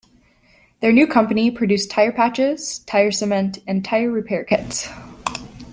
Their new company produced tire patches, tire cement and tire repair kits.